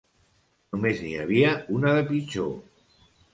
Només n'hi havia una de pitjor.